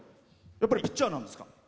やっぱりピッチャーなんですか？